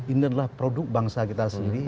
ini adalah produk bangsa kita sendiri